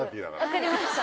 分かりました。